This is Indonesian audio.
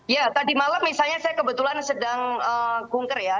ya tadi malam misalnya saya kebetulan sedang kunker ya